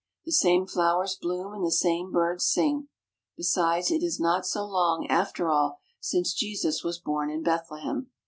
The same flow ers bloom and the same birds sing. Besides, it is not so long, after all, since Jesus was born in Bethlehem.